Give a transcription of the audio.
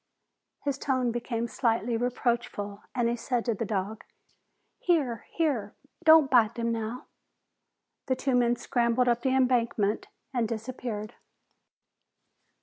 His tone became slightly reproachful and he said to the dog, "Here! Here! Don't bite them now!" The two men scrambled up the embankment and disappeared.